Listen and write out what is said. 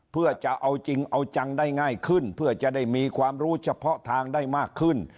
เพื่อจะเอาจริงเอาจังได้ง่ายขึ้นเพื่อจะได้มีความรู้เฉพาะทางได้มากขึ้น